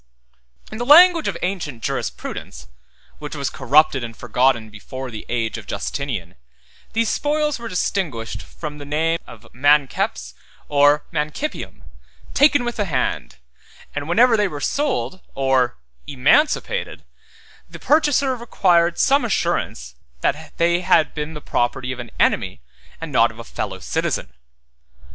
In the language of ancient jurisprudence, which was corrupted and forgotten before the age of Justinian, these spoils were distinguished by the name of manceps or manicipium, taken with the hand; and whenever they were sold or emancipated, the purchaser required some assurance that they had been the property of an enemy, and not of a fellow citizen.